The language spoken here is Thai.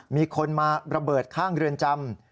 มีคนมาระเบิดข้างเรือนจำ